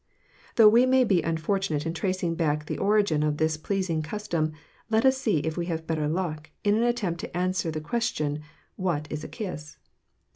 Though we may be unfortunate in tracing back the origin of this pleasing custom, let us see if we have better luck in an attempt to answer the question, "What is a kiss?"